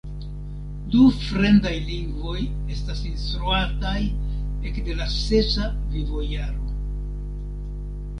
Du fremdaj lingvoj estas instruataj ekde la sesa vivojaro.